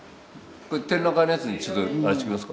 これ展覧会のやつにちょっとあれしときますか。